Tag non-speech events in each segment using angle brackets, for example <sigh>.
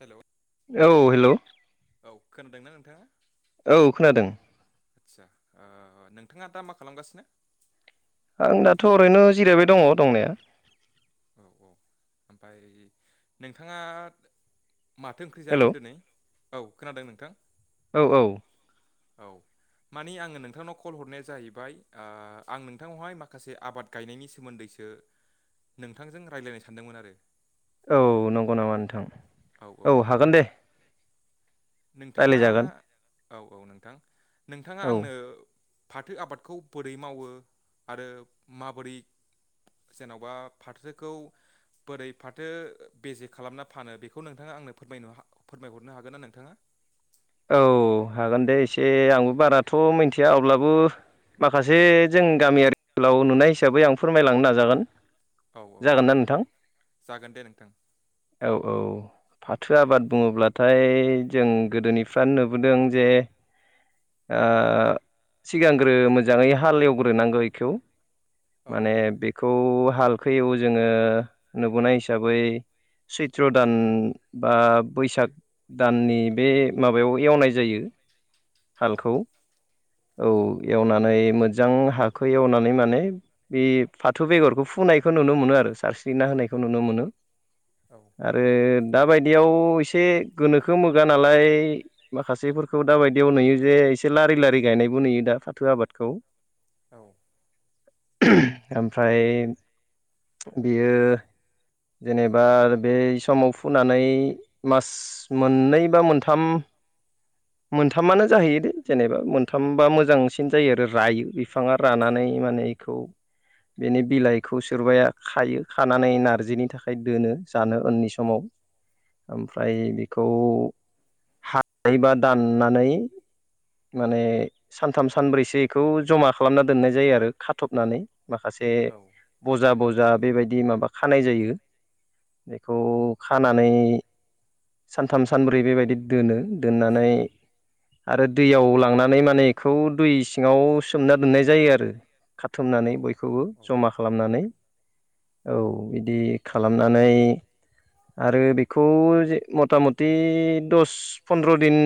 Hello औ hello औ खोनादोंना नोंथांङा? औ खोनादों। आदसा ओ नोंथांङा दा मा खालामगासिनो? आं दाथ' ओरैनो जिरायबाय दंङ दंनाया औ औ ओमफ्राय नोंथांङा माथो ओंख्रि हेल' जायामोन दोनै औ खोनादों नोंथां औ औ औ मानि आंङो नोंथांनाव कल हरनाया जाहैबाय ओ आं नोंथांआवहाय माखासे आबाद गायनायनि सोमोन्दैसो नोंथांजों रायलायनो सानदोंमोन आरो औ नंगौ नामा नोंथां औ औ नोंथां हागोन दे नोंथांङा रायलायजागोन औ औ नोंथां नोंथांङा औ आंनो फाथो आबादखौ बोरै मावो आरो माबोरै जेन'बा फाथोखौ बोरै फाथो बेजे खालामना फानो बेखौ थ' नोंथांङा आंनो फोरमायनो फोरमायहरनो हागोन ना नोंथांङा? औ हागोन दे एसे आंबो बाराथ' मिनथिया अब्लाबो माखासे जों गामियारि ओनसोलाव नुनाय हिसाबै आं फोरमायलांनो नाजागोन औ औ जागोनदा नोंथां? जागोन दे नोंथां औ औ फाथो आबाद बुंङोब्लाथाय जों गोदोनि फ्रान नुबोदों जे ओ सिगांग्रो मोजांङै हालेवग्रोनांगौ एखौ औ माने बेखौ हालखो एवो जोंङो नुबोनाय हिसाबै सैत्र दान बा बैसाग दाननि बे माबायाव एवनाय जायो औ हालखौ औ एवनानै मोजां हाखौ एवनानै माने बे फाथो बेगरखौ फुनायखौ नुनो मोनो आरो सारस्रिना होनायखौ नुनो मोनो औ आरो दाबायदियाव एसे गोनोखो मोगा नालाय माखासेफोरखौ दाबायदियाव नुयो जे एसे लारि लारि गायनायबो नुयो दा फाथो आबादखौ औ ओमफ्राय बेयो जेनेबा बे समाव फुनानै मास स मोननै बा मोनथाम मोनथामानो जाहैयो दे जेनेबा मोनथामबा मोजांसिन जायो आरो रायो बिफाङा रानानै माने इखौ <inaudible> बेनि बिलाइखौ सोरबाया खायो खानानै नारजिनि थाखाय दोनो जानो उननि समाव ओमफ्राय बेखौ हानायबा दाननानै माने सानथाम सानब्रैसो इखौ जमा खालामना दोननाय जायो आरो खाथबनानै माखासे ए औ बजा बजा बेबायदि माबा खानाय जायो बेखौ खानानै सानथाम सानब्रै बेबायदि दोनो दोननानै आरो दैयाव लांनानै माने इखौ दै सिङाव सोमना दोननाय जायो आरो औ खाथुमनानै बयखौबो औ जमा खालामनानै औ इदि खालामनानै आरो बे खौ जे मता मति दस पन्द्र' दिन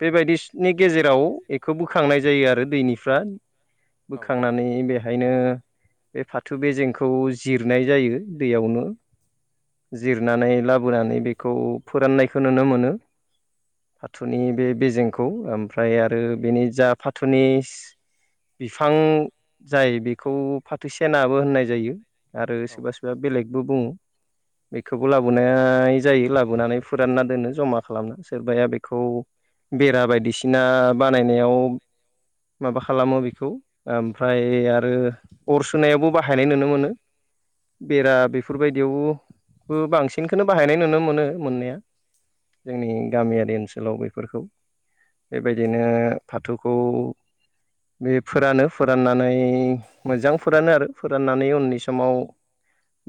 बेबायदि नि गेजेराव इखौ बोखांनाय जायो आरो दैनिफ्रा औ बोखांनानै बे खायनो बे फाथो बेजेंखौ जिरनाय जायो दैयावनो जिरनानै लाबोनानै बेखौ फोराननायखौ नुनो मोनो फाथुनि बे बेजें खौ ओमफ्राय आरो बेनि जा फाथोनिस बिफां जाय बेखौ फाथो सेनाबो होननाय जायो आरो सोरबा सोरबा बेलेगबो बुङो बेखौबो लाबोनाय जायो लाबोनानै फोरानना दोनो जमा खालामना सोरबाया बेखौ बेरा बायदिसिना बानायनायाव माबा खालामो बेखौ ओमफ्राय आरो अर सुनायावबो बाहायनाय नुनो मोनो बेरा औ बे फोर बायदियावबो बांसिनखौनो बाहायनाय नुनो मोनो मोननाया जोंनि गामियारि ओनसोलाव बेफोरखौ बेबायदिनो फाथोखौ बे फोरानो फोराननानै मोजां फोरानो आरो फोराननानै उननि समाव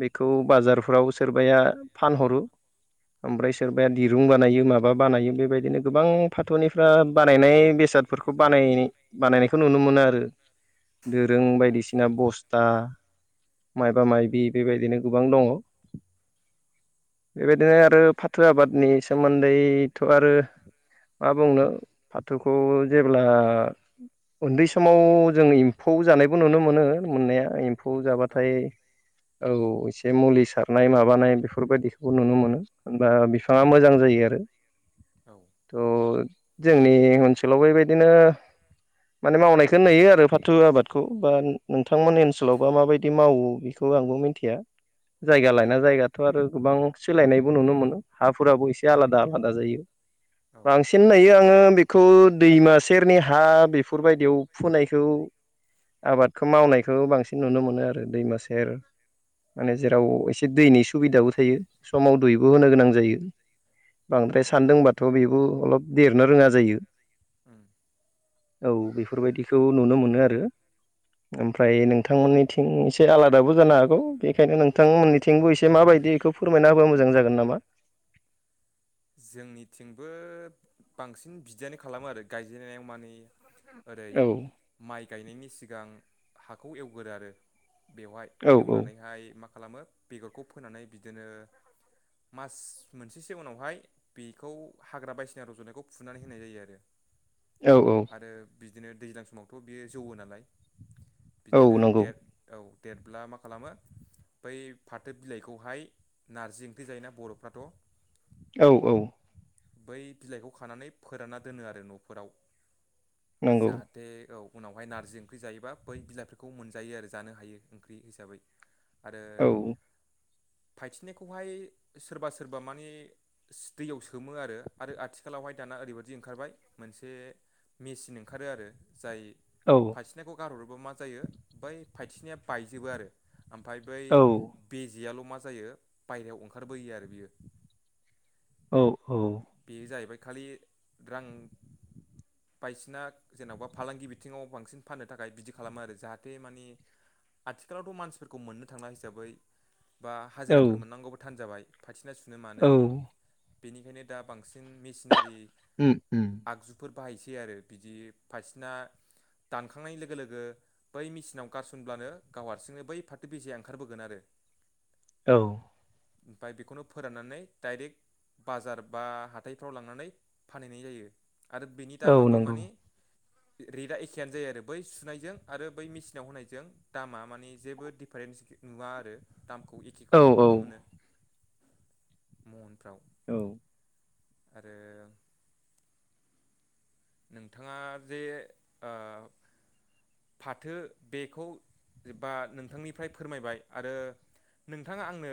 बेखौ बाजारफ्राव सोरबाया फानहरो ओमफ्राय सोरबाया दिरुं बानायो माबा बानायो बेबायदिनो गोबां फाथोनिफ्रा बानायनाय बेसादफोरखौ बानायनाय बानायनायखौ नुनो मोनो आरो औ दोरों बायदिसिना बस ता मायबा माइबि बेबायदिनो गोबां दङ बेबायदिनो आरो फाथो आबादनि सोमोन्दैथ' आरो मा बुंनो फाथोखौ जेब्ला उन्दै समाव जों एम्फौ जानायबो नुनो मोनो मोननाया ए फौ जाबाथाय औ एसे मुलि सारनाय माबानाय बेफोर बायदिखौबो नुनो मोनो होनबा बिफाङा मोजां जायो आरो त' जोंनि ओनसोलाव बेबायदिनो माने मावनायखौ नुयो आरो फाथो आबादखौ बा नोंथांमोननि ओनसोलावबा माबायदि मावो बेखो खौ आंबो मिन्थिया जायगा लायना जायगाथ' आरो गोबां सोलायनायबो नुनो मोनो हाफोराबो एसे आलादा आलादा जायो। बांसिन नायो आङो बेखौ दैमा सेरनि हा बेफोर बायदियाव फोनायखौ आबादखौ मावनायखौ बांसिन नुनो मोनो आरो दैमा सेर माने जेराव एसे दैनि सुबिदाबो थायो समाव दैबो होनो गोनां जायो। औ बांद्राय औ सान्दोंबाथ' बेबो अलप देरनो रोङा जायो उम औ बेफोर बायदिखौ नुनो मोनो आरो ओमफ्राय नोंथांमोननिथिं एसे आलादाबो जानो हागौ बेखायनो नोंथांमोननिथिंबो एसे माबायदि इखौ फोरमायना होबा मोजां जागोन नामा जोंनिथिंबो बांसिन बिदियानो खालामो आरो गायजेननायाव माने ओरै औ माइ गायनायनि सिगां हाखौ एवगोरो आरो बेवहाय औ एवनानैहाय मा खालामो बेगरखौ फोनानै बिदिनो मास मोनसेसो उनावहाय बेखौ हाग्रा बायदिसिना रज'नायखौ फुनानै होनाय जायो आरो औ औ। ओ बिदिनो दैज्लां समावथ' बियो जौवो नालाय औ बिदिनो नंगौ देर औ देेरब्ला मा खालामो बै फाथो बिलाइखौहाय नारजि ओंख्रि जायोना बर'फ्राथ' औ औ। बै बिलाइखौ खानानै फोरानना दोनो आरो न'फोराव नंगौ जा जाथे औ उनावहाय नारजि ओंख्रि जायोबा बै बिलाइफोरखौ मोनजायो आरो जानो हायो ओंख्रि हिसाबै <inaudible> आरो औ फायथिनायखौहाय सोरबा सोरबा मानि दैयाव सोमो आरो आरो आथिखालावहाय दाना ओरैबायादि ओंखारबाय मोनसे मेचिन ओंखारो आरो जाय औ फायथिनाखौ गारहरोबा मा जायो बै फाइथिसिनाया बायजोबो आरो ओमफ्राय बै औ बेजेयाल' मा जायो बायहेरायाव ओंखारबोयो आरो बियो औ औ। बेयो जाहैबाय खालि रां बायसिना जेन'बा फालांगि बिथिङाव बांसिन फाननो थाखाय बिदि खालामो आरो जाहाथे मानि आथिखालावथ' मानसिफोरखौ मोननो थांनाय हिसाबै बा औ हाजिराफोर मोननांगौबो थान जाबाय फाथिना सुनो मानो बेनिखायनो दा बांसिन मेसिनारि उम उम आगजुफोर बाहायसै आरो बिदि फारसेना दानखांनाय लोगो लोगो बै मेसिनाव गारसनब्लानो गाव हारसिंनो बै फाथो बेजेया ओंखारबोगोन आरो औ। ओमफ्राय बेखौनो फोराननानै डाइरेक्ट बाजार बा हाथायफ्राव लांनानै फानहैनाय जायो आरो बिनि औ दामाबो नंगौ मानि रेटआ एखेयानो जायो आरो बै सुनायजों आरो बै मेसिनाव होनायजों दामा मानि जेबो दिफारेन्स नुवा आरो दामखौ औ एखेखौनो नुनो मोनो महनफ्राव औ। आरो नोंथाङा जे फाथो बेखौ जेब्ला नोंथांनिफ्राय फोरमायबाय आरो नोंथाङा आंनो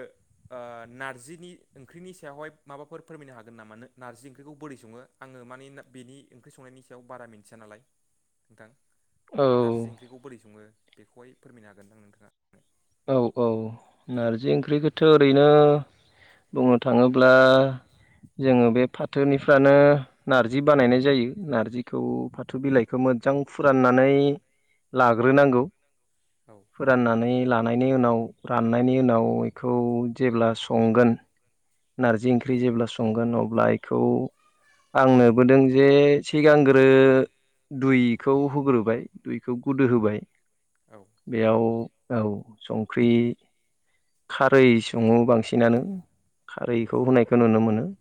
नारजिनि ओंख्रिनि सायावहाय माबाफोर फोरमायनो हागोन नामा नार्जि ओंख्रिखौ बोरै सङो आङो मानि बेनि ओंख्रि संनायनि सायाव बारा मिन्थिया नालाय नोंथां नार्जि औ ओंख्रिखौ बोरै सङो बेखौहाय फोरमायनो हागोनदां नोंथाङा औ औ नारजि ओंख्रिखौथ' ओरैनो बुंनो थाङोब्ला जोङो बे फाथोनिफ्रानो नार्जि बानायनाय जायो नार्जिखौ फाथौ बिलाइखौ मोजां फुराननानै लाग्रोनांगौ औ फोराननानै लानायनि उनाव राननायनि उनाव बेखौ जेब्ला संगोन नारजि ओंख्रि जेब्ला संगोन अब्ला बेखौ आं नुबोदों जे सिगांग्रो दुइखौ होग्रोबाय दुइखौ गोदो होबाय औ। बेयाव औ संख्रि खारै सङो बांसिनानो खारैखौ होनायखौ नुनो मोनो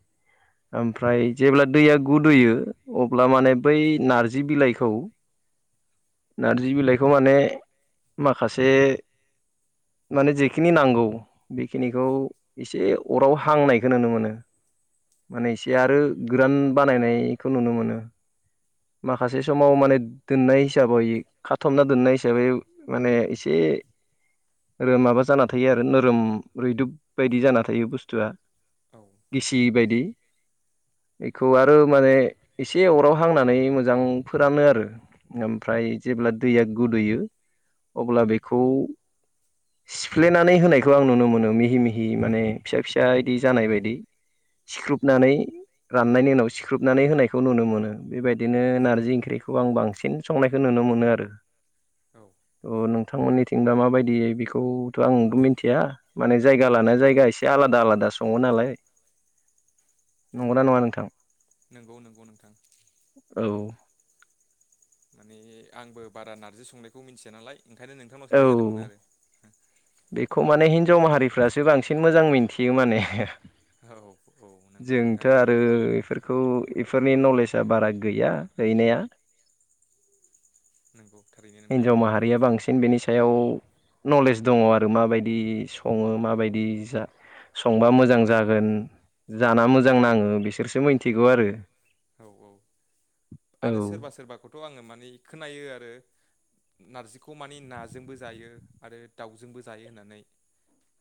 ओमफ्राय जेब्ला दैया गुदैयो अब्ला माने बै नार्जि बिलाइखौ <inaudible> नारजि बिलाइखौ माने माखासे माने जेख बेखिनि नांगौ बेखिनिखौ एसे अराव हांनायखौ नुनो मोनो माने एसे आरो गोरान बानायनायखौ नुनो मोनो माखासे समाव माने दोननाय हिसाबै खाथबना दोननाय हिसाबै माने एसे आरो माबा जाना थायो आरो नोरोम रैदुब बायदि जाना थायो बुस्थुआ औ गिसि बायदि बेखौ आरो माने एसे अराव हांनानै मोजांफोरानो आरो ओमफ्राय जेब्ला दैया गुदैयो अब्ला बेखौ सिफ्लेनानै होनायखौ आं नुनो मोनो मिहि मिहि माने फिसा फिसा इदि जानाय बायदि सिख्रुबनानै राननायनि उनाव सिख्रुबनानै होनायखौ नुनो मोनो बेबायदि बिदिनो नारजि ओंख्रिखौ आं बांसिन संनायखौ नुनो मोनो आरो औ थ नोंथांमोननिथिं दा माबायदि बेखौथ' आंबो मिथिया माने जायगा लानाया जायगा एसे आलादा आलादा सङो नालाय <inaudible> नंगौना नङा नोंथां नंगौ नंगौ नोंथां औ माने आंबो बारा नारजि संनायखौ मिथिया नालाय ओंखायनो नोंथांनाव सोंनाय औ जादोंमोन आरो बेखौ माने हिनजाव माहारिफ्रासो बांसिन मोजां मिन्थियो माने औ औ नंगौ जोंथ' नोंथां आरो इफोरखौ इफोरनि नलेजआ बारा गैया गैनाया नंगौ थारैनो नोंथां गैया बांसिन बेनि सायाव नलेज दङ आरो माबायदि सङो माबायदि जा संबा मोजां जागोन जाना मोजां नाङो बिसोरसो मिथिगौ आरो औ औ औ आरो सोरबा सोरबाखौथ' आङो मानिे खोनायो आरो नारजिखौ मानिे नाजोंबो जायो आरो दाउजोंबो जायो होननानै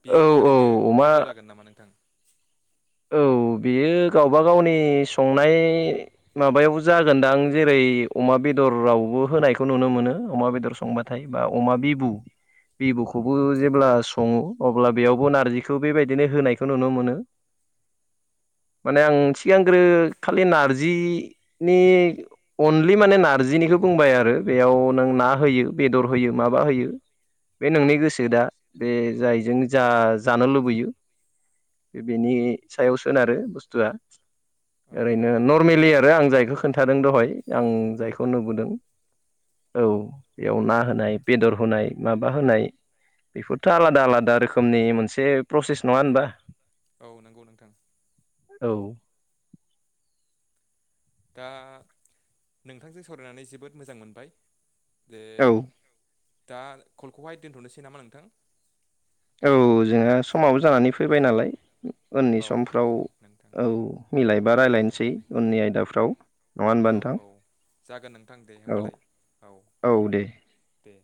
बेयो औ औ थारैनो अमा गोथाव जागोन नामा नोंथां औ बियो गावबा गावनि संनाय माबायाव जागोनदां जेरै अमा बेदरावबो होनायखौ नुनो मोनो अमा बेदर संबाय नाथाय बा अमा बिबु बिबुखौबो जेब्ला सङो अब्ला बेयावबो नारजिखौ बेबायदिनो होनायखौ नुनो मोनो माने आं सिगांग्रो खालि नारजिनि अनलि माने नारजिनिखौ बुंबाय आरो बेयाव नों ना होयो बेदर होयो माबा होयो बे नोंनि गोसो दा बे जायजों जा-जानो लुबैयो बेनि सायाव सोनारो बुस्थुआ औ औ ओरैनो नोंथां नरमेलि आरो आं जायखौ खोन्थादों दहाय आं औ जायखौ नुबोदों औ बेयाव ना होनाय बेदर होनाय माबा होनाय बेफोरथ' आलादा आलादा रोखोमनि मोनसे प्रसेस नङा होनबा औ नंगौ नोंथां औ दा नोंथांजों सावरायनानै जोबोद मोजां मोनबाय दे औ दा कलखौहाय दोनथ'नोसै नामा नोंथां औ जोंहा समाबो जानानै फैबाय नालाय उननि औ औ समफ्राव नोंथां औ मिलायबा रायलायनोसै रायज्लायफिनजागोन उननि आयदाफ्राव होनबा औ नोंथां औ जागोन नोंथां दे औ होमबालाय औ दे